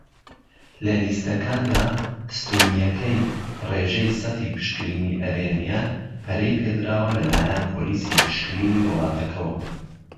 لە لیستەکاندا، ستوونیەکەی "ڕێژەی سەتی پشکنینی ئەرێنیە" پەرەی پێدراوە لەلایەن پۆلیسی پشکنینی وڵاتەکەوە.